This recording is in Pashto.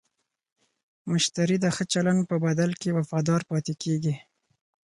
مشتری د ښه چلند په بدل کې وفادار پاتې کېږي.